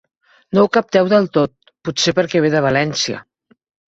No ho capteu del tot, potser perquè ve de València.